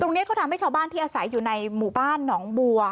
ตรงนี้เขาทำให้ชาวบ้านที่อาศัยอยู่ในหมู่บ้านหนองบัว